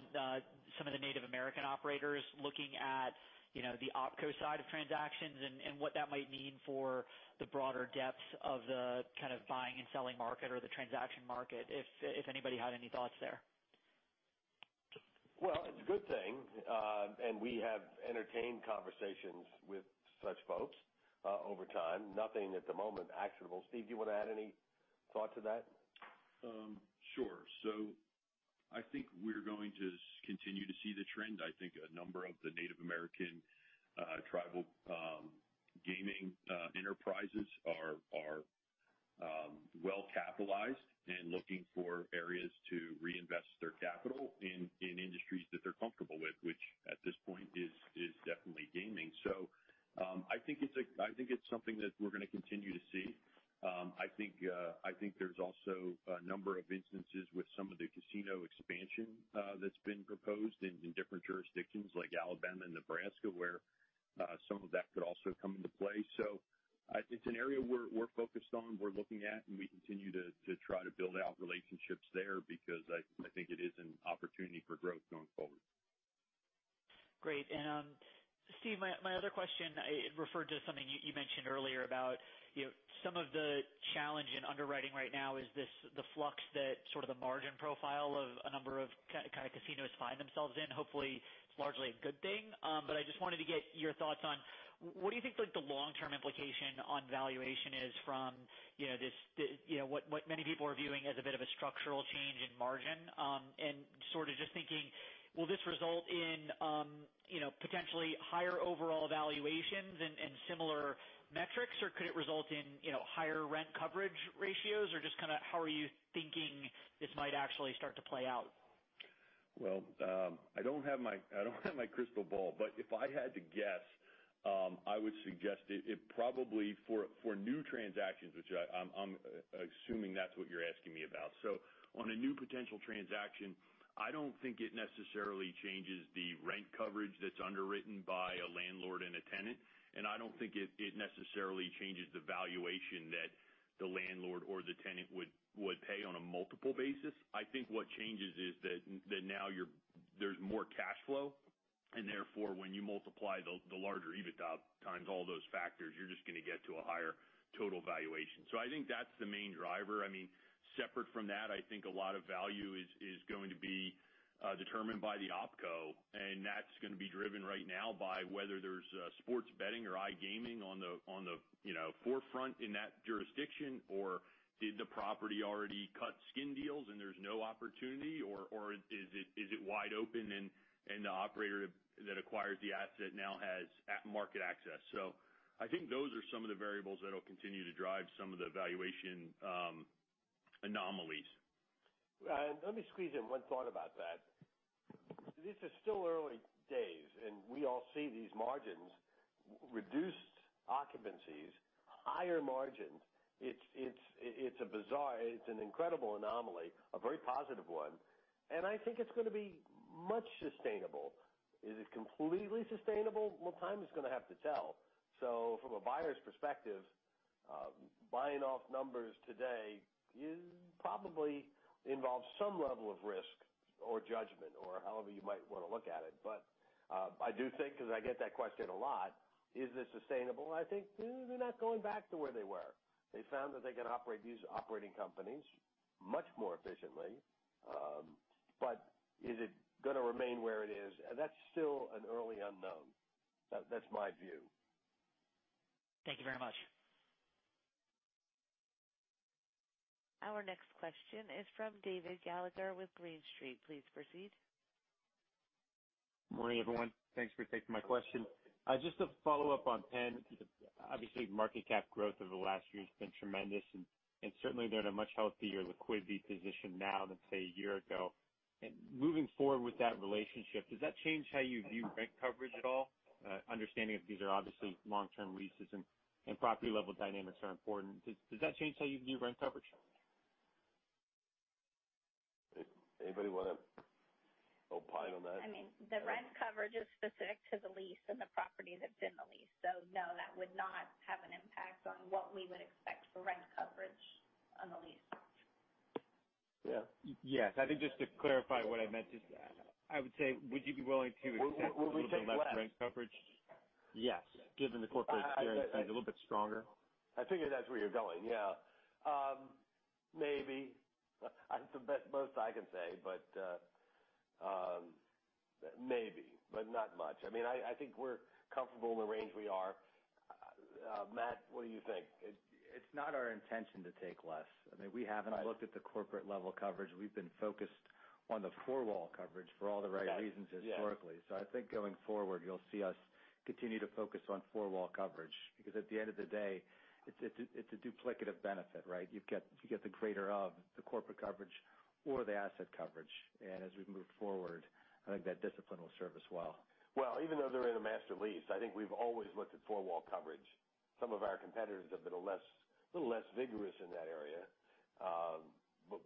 some of the Native American operators looking at the opco side of transactions and what that might mean for the broader depths of the buying and selling market or the transaction market, if anybody had any thoughts there. Well, it's a good thing. We have entertained conversations with such folks over time. Nothing at the moment actionable. Steve, do you want to add any thought to that? Sure. I think we're going to continue to see the trend. I think a number of the Native American tribal gaming enterprises are well-capitalized and looking for areas to reinvest their capital in industries that they're comfortable with, which at this point is definitely gaming. I think it's something that we're going to continue to see. I think there's also a number of instances with some of the casino expansion that's been proposed in different jurisdictions like Alabama and Nebraska, where some of that could also come into play. It's an area we're focused on, we're looking at, and we continue to try to build out relationships there because I think it is an opportunity for growth going forward. Great. Steve, my other question referred to something you mentioned earlier about some of the challenge in underwriting right now is the flux that the margin profile of a number of casinos find themselves in. Hopefully, it's largely a good thing. I just wanted to get your thoughts on what do you think the long-term implication on valuation is from what many people are viewing as a bit of a structural change in margin. Just thinking, will this result in potentially higher overall valuations and similar metrics, or could it result in higher rent coverage ratios? Just how are you thinking this might actually start to play out? I don't have my crystal ball, but if I had to guess, I would suggest it probably for new transactions, which I'm assuming that's what you're asking me about. On a new potential transaction, I don't think it necessarily changes the rent coverage that's underwritten by a landlord and a tenant, and I don't think it necessarily changes the valuation that the landlord or the tenant would pay on a multiple basis. I think what changes is that now there's more cash flow, and therefore, when you multiply the larger EBITDA times all those factors, you're just going to get to a higher total valuation. I think that's the main driver. Separate from that, I think a lot of value is going to be determined by the opco, and that's going to be driven right now by whether there's sports betting or iGaming on the forefront in that jurisdiction, or did the property already cut skin deals and there's no opportunity, or is it wide open and the operator that acquires the asset now has market access? I think those are some of the variables that'll continue to drive some of the valuation anomalies. Let me squeeze in one thought about that. This is still early days, and we all see these margins, reduced occupancies, higher margins. It's a bizarre, it's an incredible anomaly, a very positive one, and I think it's going to be much sustainable. Is it completely sustainable? Well, time is going to have to tell. From a buyer's perspective, buying off numbers today probably involves some level of risk or judgment or however you might want to look at it. I do think, because I get that question a lot, is this sustainable? I think they're not going back to where they were. They found that they can operate these operating companies much more efficiently. Is it going to remain where it is? That's still an early unknown. That's my view. Thank you very much. Our next question is from David Gallagher with Green Street. Please proceed. Morning, everyone. Thanks for taking my question. Just to follow up on Penn. Obviously, market cap growth over the last year has been tremendous. Certainly, they're in a much healthier liquidity position now than, say, a year ago. Moving forward with that relationship, does that change how you view rent coverage at all? Understanding that these are obviously long-term leases and property-level dynamics are important. Does that change how you view rent coverage? Anybody want to opine on that? The rent coverage is specific to the lease and the property that's in the lease. No, that would not have an impact on what we would expect for rent coverage on the lease. Yeah. Yes. I think just to clarify what I meant is that I would say, would you be willing to accept a little bit less rent coverage? Will we take less? Yes. Given the corporate experience is a little bit stronger. I figured that's where you're going, yeah. Maybe. That's the most I can say, but Maybe, but not much. I think we're comfortable in the range we are. Matt, what do you think? It's not our intention to take less. We haven't looked at the corporate-level coverage. We've been focused on the four-wall coverage for all the right reasons historically. Okay. Yeah. I think going forward, you'll see us continue to focus on four-wall coverage, because at the end of the day, it's a duplicative benefit, right? You get the greater of the corporate coverage The asset coverage. As we move forward, I think that discipline will serve us well. Well, even though they're in a master lease, I think we've always looked at four-wall coverage. Some of our competitors have been a little less vigorous in that area.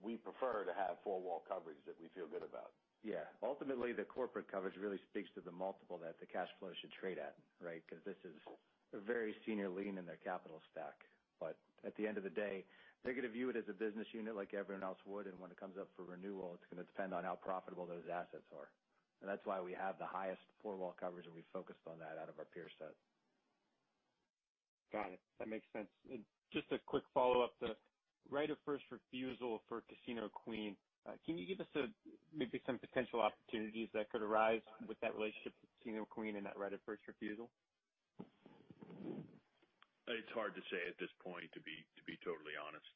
We prefer to have four-wall coverage that we feel good about. Yeah. Ultimately, the corporate coverage really speaks to the multiple that the cash flow should trade at, right? This is a very senior lien in their capital stack. At the end of the day, they're going to view it as a business unit like everyone else would, and when it comes up for renewal, it's going to depend on how profitable those assets are. That's why we have the highest four-wall coverage, and we focused on that out of our peer set. Got it. That makes sense. Just a quick follow-up, the right of first refusal for Casino Queen. Can you give us maybe some potential opportunities that could arise with that relationship with Casino Queen and that right of first refusal? It's hard to say at this point, to be totally honest.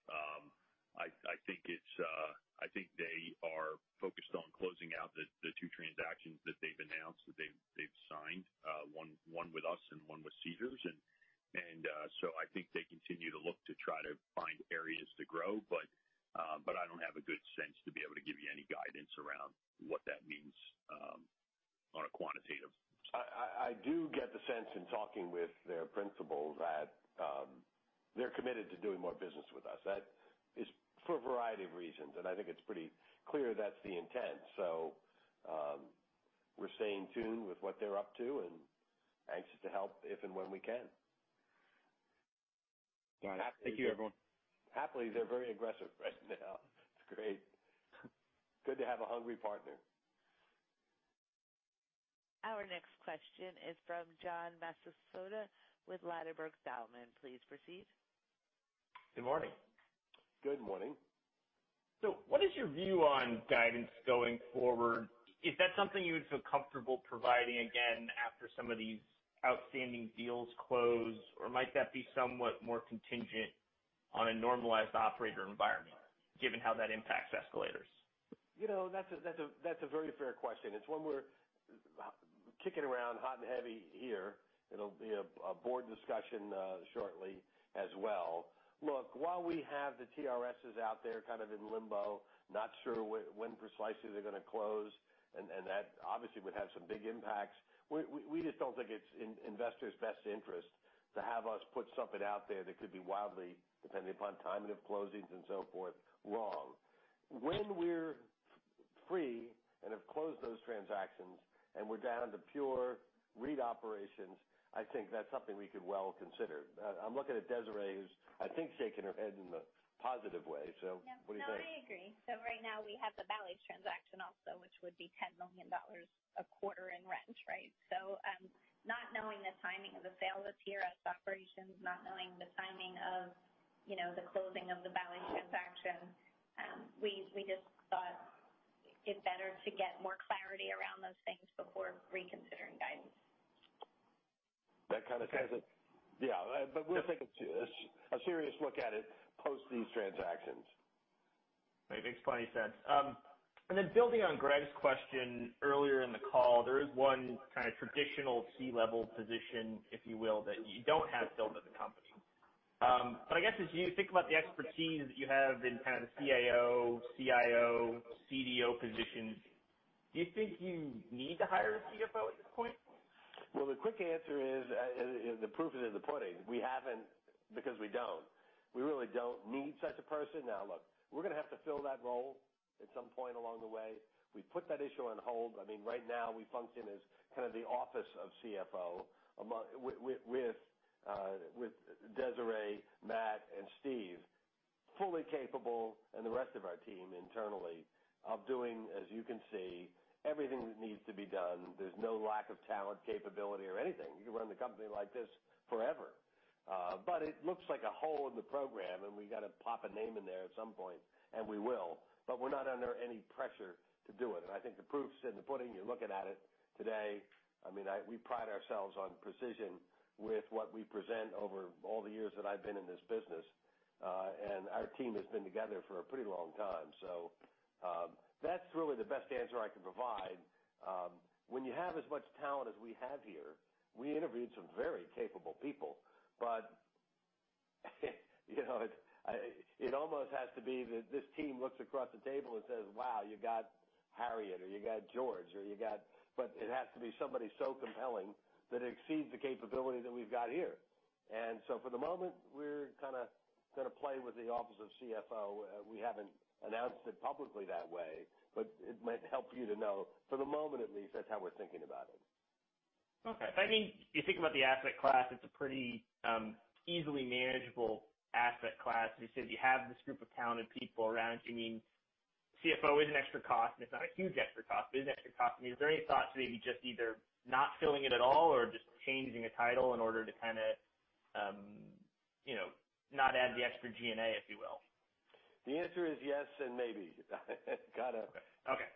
I think they are focused on closing out the two transactions that they've announced, that they've signed, one with us and one with Caesars. I think they continue to look to try to find areas to grow, but I don't have a good sense to be able to give you any guidance around what that means on a quantitative. I do get the sense in talking with their principals that they're committed to doing more business with us. That is for a variety of reasons, and I think it's pretty clear that's the intent. We're staying tuned with what they're up to and anxious to help if and when we can. Got it. Thank you, everyone. Happily, they're very aggressive right now. It's great. Good to have a hungry partner. Our next question is from John Massocca with Ladenburg Thalmann. Please proceed. Good morning. Good morning. What is your view on guidance going forward? Is that something you would feel comfortable providing again after some of these outstanding deals close, or might that be somewhat more contingent on a normalized operator environment given how that impacts escalators? That's a very fair question. It's one we're kicking around hot and heavy here. It'll be a board discussion shortly as well. Look, while we have the TRSs out there kind of in limbo, not sure when precisely they're going to close, and that obviously would have some big impacts. We just don't think it's in investors' best interest to have us put something out there that could be wildly, depending upon timing of closings and so forth, wrong. When we're free and have closed those transactions and we're down to pure REIT operations, I think that's something we could well consider. I'm looking at Desiree, who's, I think, shaking her head in a positive way. What do you think? No, I agree. Right now we have the Bally's transaction also, which would be $10 million a quarter in rent, right? Not knowing the timing of the sale of the TRS operations, not knowing the timing of the closing of the Bally's transaction, we just thought it better to get more clarity around those things before reconsidering guidance. That kind of says it. Yeah. We'll take a serious look at it post these transactions. Makes plenty of sense. Building on Greg's question earlier in the call, there is one kind of traditional C-level position, if you will, that you don't have filled at the company. I guess as you think about the expertise that you have in kind of the CAO, CIO, CDO positions, do you think you need to hire a CFO at this point? Well, the quick answer is the proof is in the pudding. We haven't because we don't. We really don't need such a person. Now, look, we're going to have to fill that role at some point along the way. We put that issue on hold. Right now, we function as kind of the office of CFO with Desiree, Matt, and Steve, fully capable, and the rest of our team internally, of doing, as you can see, everything that needs to be done. There's no lack of talent, capability, or anything. You can run the company like this forever. It looks like a hole in the program, and we got to pop a name in there at some point, and we will. We're not under any pressure to do it. I think the proof's in the pudding. You're looking at it today. We pride ourselves on precision with what we present over all the years that I've been in this business. Our team has been together for a pretty long time. That's really the best answer I can provide. When you have as much talent as we have here, we interviewed some very capable people, but it almost has to be that this team looks across the table and says, "Wow. You got Harriet, or you got George, or you got" It has to be somebody so compelling that it exceeds the capability that we've got here. For the moment, we're kind of going to play with the office of CFO. We haven't announced it publicly that way, but it might help you to know, for the moment at least, that's how we're thinking about it. Okay. You think about the asset class, it's a pretty easily manageable asset class. As you said, you have this group of talented people around you. CFO is an extra cost, and it's not a huge extra cost, but it is an extra cost. Is there any thought to maybe just either not filling it at all or just changing a title in order to kind of not add the extra G&A, if you will? The answer is yes and maybe. Okay.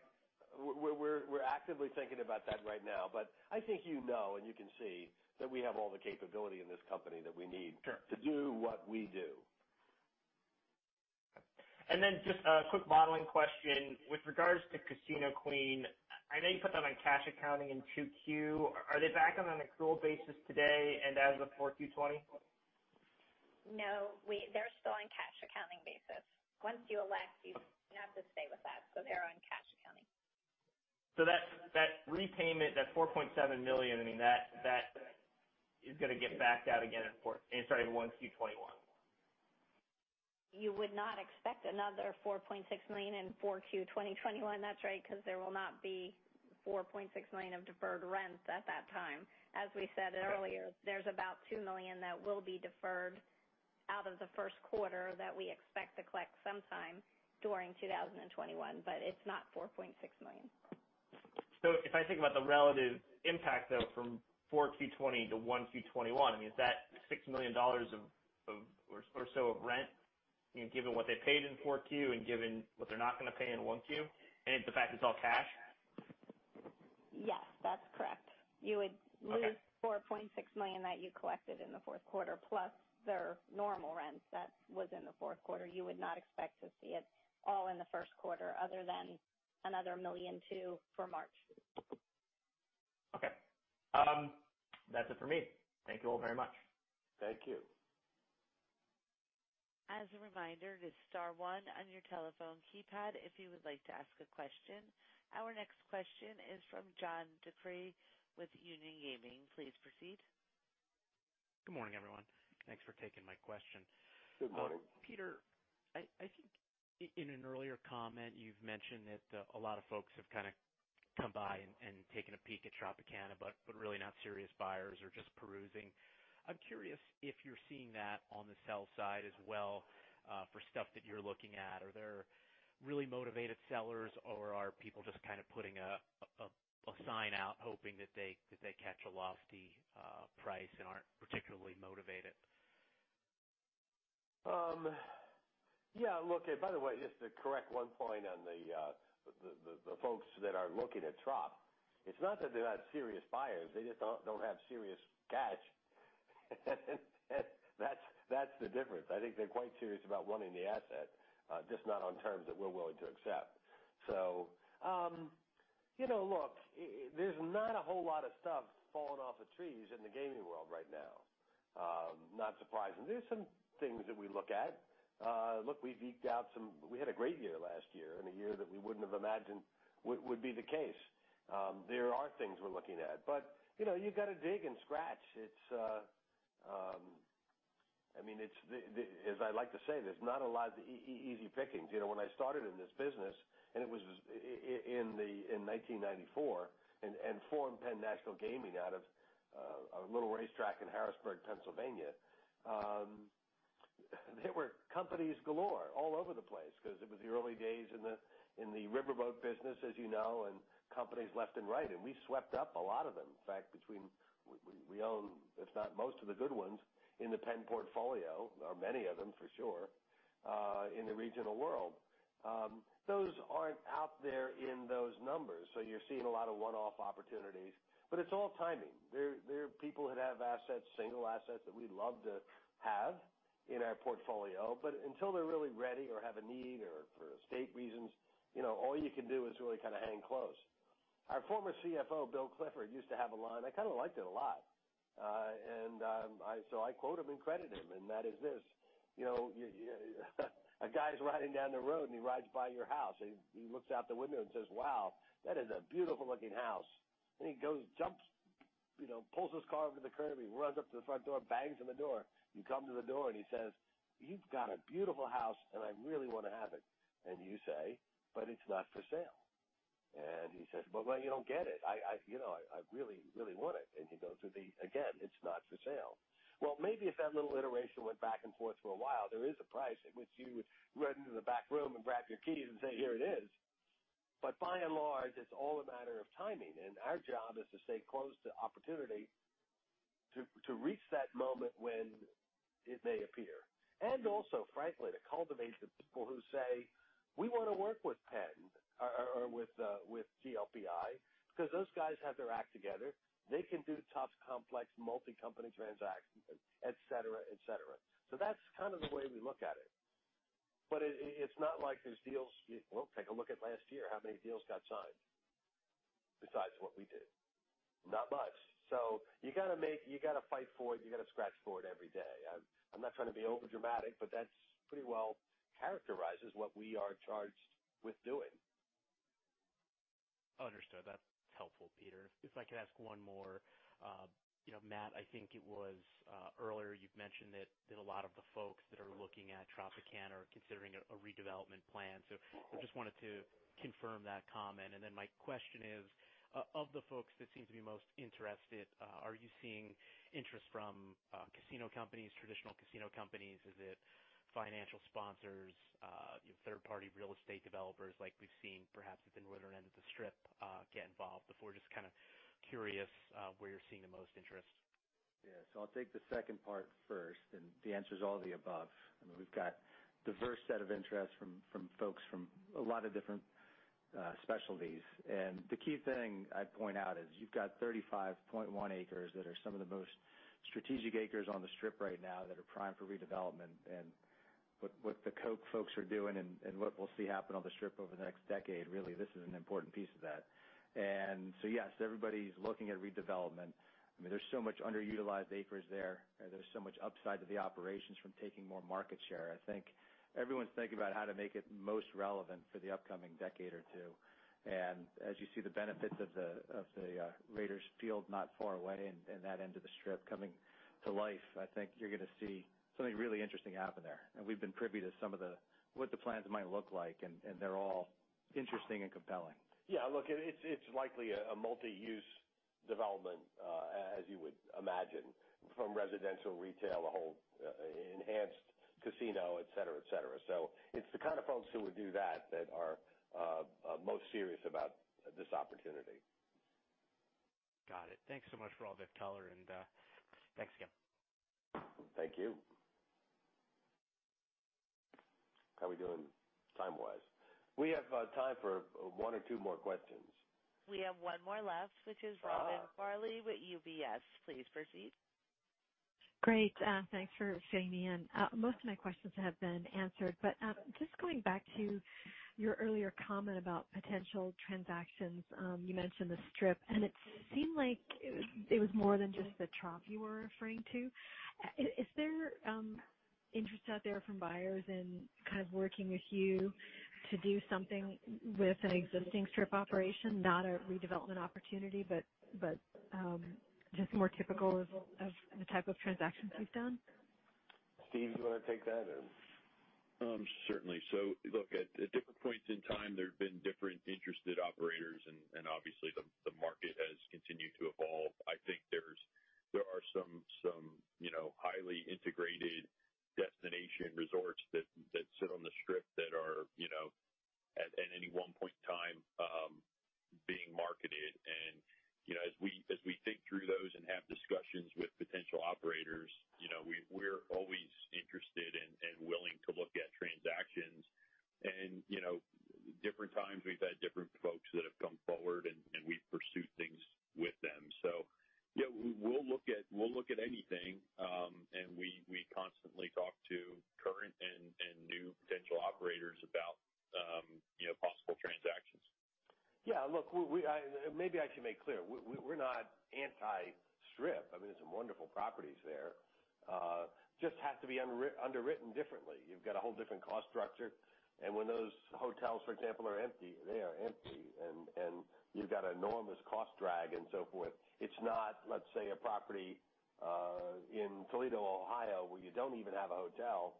We're actively thinking about that right now. I think you know and you can see that we have all the capability in this company that we need. Sure to do what we do. Just a quick modeling question. With regards to Casino Queen, I know you put that on cash accounting in 2Q. Are they back on an accrual basis today and as of 4/2/2020? No, they're still on cash accounting basis. Once you elect, you have to stay with that. They're on cash accounting. That repayment, that $4.7 million, that is going to get backed out again in 1Q 2021. You would not expect another $4.6 million in 4Q2021. That's right, because there will not be $4.6 million of deferred rent at that time. As we said earlier, there's about $2 million that will be deferred out of the first quarter that we expect to collect sometime during 2021, but it's not $4.6 million. If I think about the relative impact, though, from 4Q 2020 to 1Q 2021, is that $6 million or so of rent, given what they paid in 4Q and given what they're not going to pay in 1Q, and the fact it's all cash? Yes, that's correct. You would lose $4.6 million that you collected in the fourth quarter, plus their normal rents that was in the fourth quarter. You would not expect to see it all in the first quarter, other than another $1.2 million for March. Okay. That's it for me. Thank you all very much. Thank you. As a reminder, it is star one on your telephone keypad if you would like to ask a question. Our next question is from John DeCree with Union Gaming. Please proceed. Good morning, everyone. Thanks for taking my question. Good morning. Peter, I think in an earlier comment, you've mentioned that a lot of folks have come by and taken a peek at Tropicana, but really not serious buyers, or just perusing. I'm curious if you're seeing that on the sell side as well for stuff that you're looking at. Are there really motivated sellers, or are people just putting a sign out hoping that they catch a lofty price and aren't particularly motivated? Yeah. Look, by the way, just to correct one point on the folks that are looking at Tropicana. It's not that they're not serious buyers, they just don't have serious cash. That's the difference. I think they're quite serious about wanting the asset, just not on terms that we're willing to accept. Look, there's not a whole lot of stuff falling off of trees in the gaming world right now. Not surprising. There's some things that we look at. Look, we had a great year last year, in a year that we wouldn't have imagined would be the case. There are things we're looking at, but you've got to dig and scratch. As I like to say, there's not a lot of the easy pickings. When I started in this business, it was in 1994 and formed Penn National Gaming out of a little racetrack in Harrisburg, Pennsylvania, there were companies galore all over the place because it was the early days in the riverboat business, as you know, companies left and right, and we swept up a lot of them. In fact, we own, if not most of the good ones in the Penn portfolio, or many of them, for sure, in the regional world. Those aren't out there in those numbers. You're seeing a lot of one-off opportunities. It's all timing. There are people that have assets, single assets, that we'd love to have in our portfolio, until they're really ready or have a need or for estate reasons, all you can do is really hang close. Our former CFO, Bill Clifford, used to have a line. I liked it a lot. I quote him and credit him, and that is this. A guy's riding down the road, and he rides by your house, and he looks out the window and says, "Wow, that is a beautiful-looking house." He goes, jumps, pulls his car over the curb, and he runs up to the front door, bangs on the door. You come to the door, and he says, "You've got a beautiful house, and I really want to have it." You say, "But it's not for sale." He says, "But you don't get it. I really, really want it." You go through the, again, "It's not for sale." Well, maybe if that little iteration went back and forth for a while, there is a price at which you would run into the back room and grab your keys and say, "Here it is." By and large, it's all a matter of timing, and our job is to stay close to opportunity to reach that moment when it may appear. Also, frankly, to cultivate the people who say, "We want to work with Penn or with GLPI because those guys have their act together. They can do tough, complex, multi-company transactions," et cetera. That's kind of the way we look at it. It's not like there's deals. Well, take a look at last year, how many deals got signed besides what we did? Not much. You got to fight for it. You got to scratch for it every day. I'm not trying to be overdramatic, but that pretty well characterizes what we are charged with doing. Understood. That's helpful, Peter. If I could ask one more. Matt, I think it was earlier you've mentioned that a lot of the folks that are looking at Tropicana are considering a redevelopment plan. I just wanted to confirm that comment. My question is, of the folks that seem to be most interested, are you seeing interest from casino companies, traditional casino companies? Is it financial sponsors, third-party real estate developers like we've seen perhaps up in northern end of the Strip get involved before? Just kind of curious where you're seeing the most interest. Yeah. I'll take the second part first. The answer's all of the above. We've got diverse set of interests from folks from a lot of different specialties. The key thing I'd point out is you've got 35.1 acres that are some of the most strategic acres on the Strip right now that are primed for redevelopment. What the Koch folks are doing and what we'll see happen on the Strip over the next decade, really, this is an important piece of that. Yes, everybody's looking at redevelopment. There's so much underutilized acreage there. There's so much upside to the operations from taking more market share. I think everyone's thinking about how to make it most relevant for the upcoming decade or two. As you see the benefits of the Raiders field not far away in that end of the Strip coming to life, I think you're going to see something really interesting happen there. We've been privy to what the plans might look like, and they're all interesting and compelling. Yeah, look, it's likely a multi-use development, as you would imagine, from residential, retail, a whole enhanced casino, et cetera. It's the kind of folks who would do that are most serious about this opportunity. Got it. Thanks so much for all, Vic taller, and thanks again. Thank you. How we doing time-wise? We have time for one or two more questions. We have one more left, which is Robin Farley with UBS. Please proceed. Great. Thanks for fitting me in. Most of my questions have been answered, but just going back to your earlier comment about potential transactions. You mentioned the Strip, and it seemed like it was more than just the Trop you were referring to. Is there interest out there from buyers in kind of working with you to do something with an existing Strip operation, not a redevelopment opportunity, but just more typical of the type of transactions you've done? Steve, you want to take that? Certainly. Look, at different points in time, there have been different interested operators, and obviously, the market has continued to evolve. I think there are some highly integrated destination resorts that sit on the Strip that are, at any one point in time, being marketed. As we think through those and have discussions with potential operators, we're always interested and willing to look at transactions. Different times we've had different folks that have come forward, and we've pursued things with them. Yeah, we'll look at anything, and we constantly talk to current and new potential operators about possible transactions. Yeah, look, maybe I should make clear, we're not anti-Strip. There's some wonderful properties there. Just have to be underwritten differently. You've got a whole different cost structure. When those hotels, for example, are empty, they are empty. You've got enormous cost drag and so forth. It's not, let's say, a property in Toledo, Ohio, where you don't even have a hotel.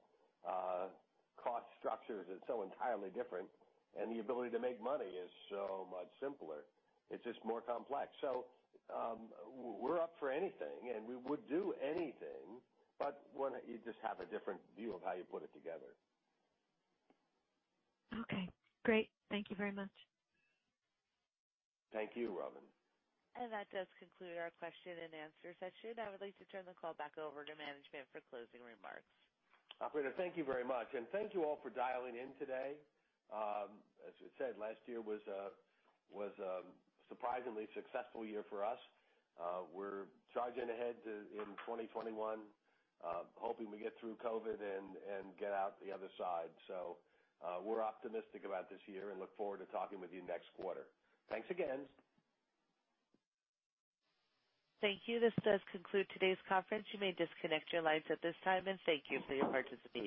Cost structures are so entirely different, and the ability to make money is so much simpler. It's just more complex. We're up for anything, and we would do anything, but you just have a different view of how you put it together. Okay, great. Thank you very much. Thank you, Robin. That does conclude our question and answer session. I would like to turn the call back over to management for closing remarks. Operator, thank you very much, and thank you all for dialing in today. As we said, last year was a surprisingly successful year for us. We're charging ahead in 2021, hoping we get through COVID and get out the other side. We're optimistic about this year and look forward to talking with you next quarter. Thanks again. Thank you. This does conclude today's conference. You may disconnect your lines at this time, and thank you for your participation.